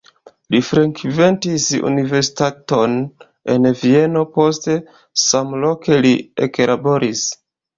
Li frekventis universitaton en Vieno, poste samloke li eklaboris.